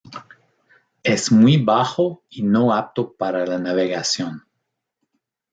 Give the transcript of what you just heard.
Es muy bajo y no apto para la navegación.